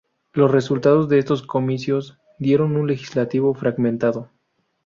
Los resultados de estos comicios dieron un legislativo fragmentado.